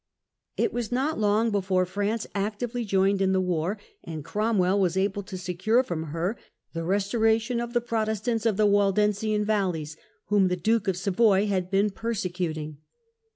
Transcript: It was not idng before France actively joined in the war, and Cromwell was able to secure from her the restoration of the Protestants of the Waldensian Valleys, whom the Duke of Savoy had been persecuting.